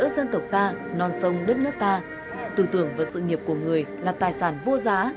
dân tộc ta non sông đất nước ta tư tưởng và sự nghiệp của người là tài sản vô giá